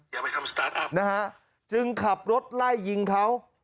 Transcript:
อย่าไปทำสตาร์ทอัพนะฮะจึงขับรถไล่ยิงเขา